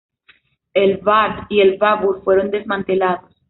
El "Badr" y el "Babur" fueron desmantelados.